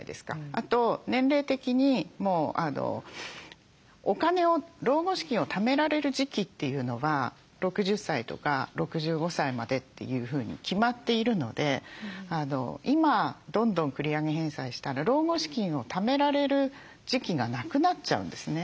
あと年齢的にお金を老後資金をためられる時期というのは６０歳とか６５歳までというふうに決まっているので今どんどん繰り上げ返済したら老後資金をためられる時期がなくなっちゃうんですね。